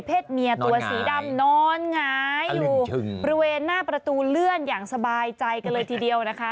เมียตัวสีดำนอนหงายอยู่บริเวณหน้าประตูเลื่อนอย่างสบายใจกันเลยทีเดียวนะคะ